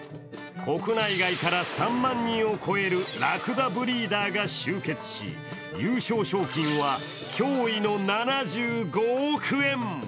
国内外から３万人を超えるラクダブリーダーが集結し、優勝賞金は驚異の７５億円。